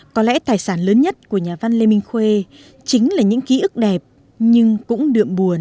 có lẽ tài sản lớn nhất của nhà văn lê minh khuê chính là những ký ức đẹp nhưng cũng đượm buồn